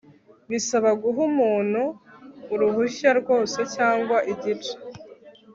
bisaba guha muntu uruhushya rwose cyangwa igice